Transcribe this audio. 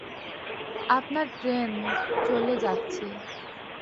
আপনার ট্রেন, চলে যাচ্ছে।